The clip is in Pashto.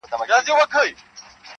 ورور مي اخلي ریسوتونه ښه پوهېږم-